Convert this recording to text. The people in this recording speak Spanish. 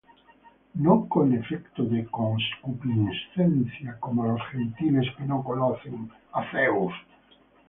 No con afecto de concupiscencia, como los Gentiles que no conocen á Dios: